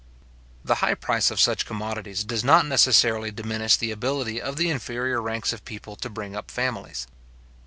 The high price of such commodities does not necessarily diminish the ability of the inferior ranks of people to bring up families.